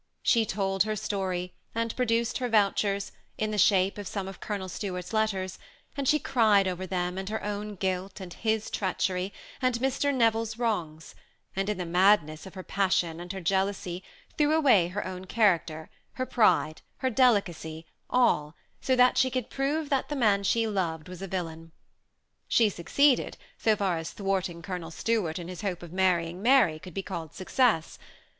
She told her story, and pro duced her vouchers, in the shape of some of Colonel Stuart's letters, and she cried over them, and her own guilt, and his treachery, and Mr. Neville's wrongs ; and in the madness of her passion and her jealousy, threw away her own character, her pride, her delicacy, all, so that she could prove that the man she loved was a vil lain. She succeeded so far as thwarting Colonel Stuart, in his hope of marrying Mary, could be called success.